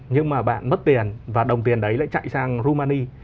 nhưng mà bạn mất tiền và đồng tiền đấy lại chạy sang rumani